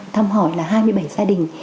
thăm hỏi là hai mươi bảy gia đình